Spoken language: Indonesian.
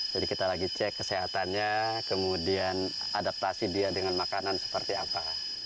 jadi kita lagi cek kesehatannya kemudian adaptasi dia dengan makanan seperti apa